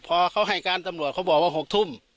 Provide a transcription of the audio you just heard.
พอเขาให้การตำรวจเขาบอกว่า๖ทุ่ม